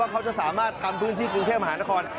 เขาจะสามารถทำพื้นที่กรุงเทพมหานคร